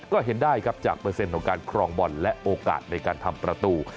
ก็เห็นได้ครับจากเปอร์เซ็นต์ของการครองบอลและโอกาสในการทำประตู